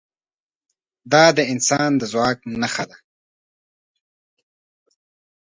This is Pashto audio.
دا د انسان د ځواک نښه ده.